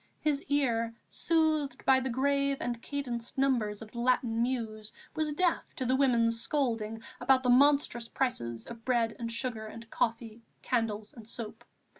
His ear, soothed by the grave and cadenced numbers of the Latin Muse, was deaf to the women's scolding about the monstrous prices of bread and sugar and coffee, candles and soap.